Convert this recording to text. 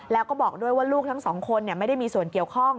แล้วก็บอกด้วยว่าลูกทั้งสองคนไม่ได้มีส่วนเกี่ยวข้อง